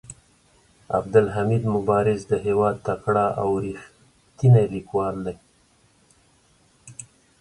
عبدالحمید مبارز د هيواد تکړه او ريښتيني ليکوال دي.